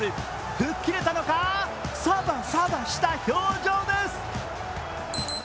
吹っ切れたのか、サバサバした表情です。